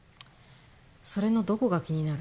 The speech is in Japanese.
それのどこが気になる？